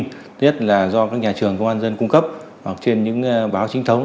tuy nhiên là do các nhà trường công an dân cung cấp hoặc trên những báo chính thống